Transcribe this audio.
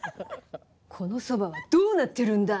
「この蕎麦はどうなってるんだ！」